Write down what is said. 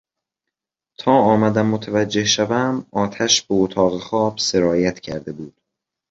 تا آمدم متوجه شوم آتش به اتاق خواب سرایت کرده بود.